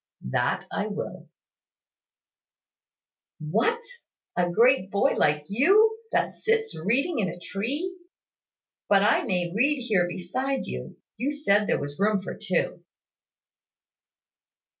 "That I will." "What, a great boy like you, that sits reading in a tree! But I may read here beside you. You said there was room for two."